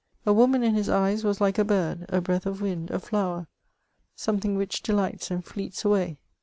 A woman in his eyes was like a bird, a breath of wind, a flower — something wnich delights and £eets away.